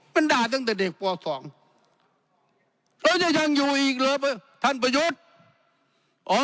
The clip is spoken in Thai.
มันด่าตั้งแต่เด็กปสองก็ยังอยู่อีกละเพื่อท่านประชุฯ